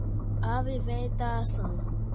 aviventação